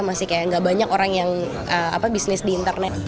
masih kayak gak banyak orang yang bisnis di internet